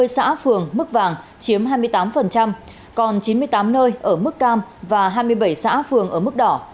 hai bảy trăm chín mươi xã phường mức vàng chiếm hai mươi tám còn chín mươi tám nơi ở mức cam và hai mươi bảy xã phường ở mức đỏ